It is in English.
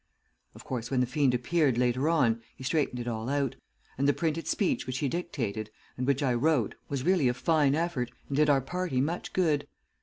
Of course, when the fiend appeared later on, he straightened it all out, and the printed speech which he dictated and which I wrote was really a fine effort and did our party much good.